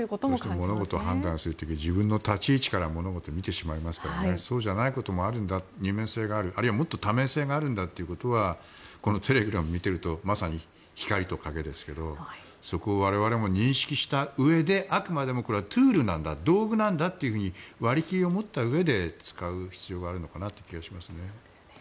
物事を判断する時に自分の立ち位置から物事を見てしまいますけどそうじゃないこともあるんだ二面性あるいはもっと多面性があるんだってことはこのテレグラムを見ているとまさに光と影ですけどそこを我々も認識したうえであくまでも、これはツールなんだ道具なんだと割り切りを持ったうえで使う必要があるのかなという気がしますね。